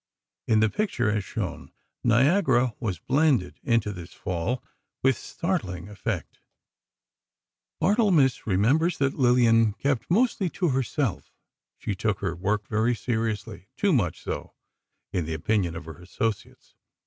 In the picture, as shown, Niagara was blended into this fall, with startling effect. Barthelmess remembers that Lillian kept mostly to herself. She took her work very seriously—too much so, in the opinion of her associates.